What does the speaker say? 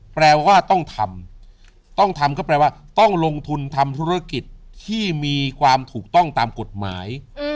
แปลว่าต้องทำต้องทำก็แปลว่าต้องลงทุนทำธุรกิจที่มีความถูกต้องตามกฎหมาย